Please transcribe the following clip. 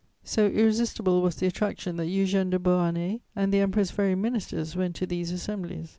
So irresistible was the attraction that Eugène de Beauharnais and the Emperor's very ministers went to these assemblies.